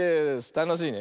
たのしいね。